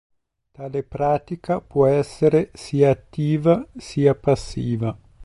Tale pratica può essere sia attiva sia passiva.